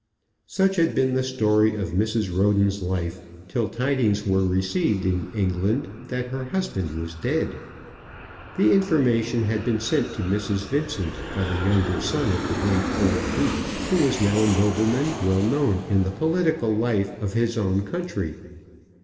Such had been the story of Mrs. Roden's life, till tidings were received in England that her husband was dead. The information had been sent to Mrs. Vincent by the younger son of the late old Duke, who was now a nobleman well known in the political life of his own country.